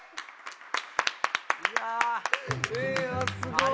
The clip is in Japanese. いやすごい。